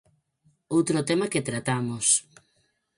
Outro tema que tratamos.